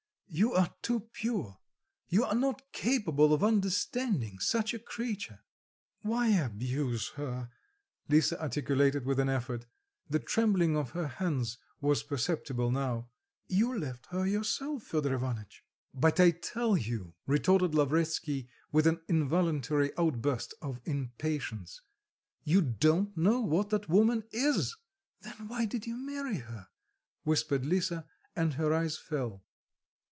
You are too pure, you are not capable of understanding such a creature." "Why abuse her?" Lisa articulated with an effort. The trembling of her hands was perceptible now. "You left her yourself, Fedor Ivanitch." "But I tell you," retorted Lavretsky with an involuntary outburst of impatience, "you don't know what that woman is!" "Then why did you marry her?" whispered Lisa, and her eyes fell.